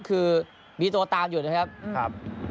คือมีตัวตามอยู่นะครับ